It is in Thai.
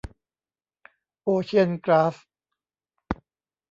โอเชียนกลาส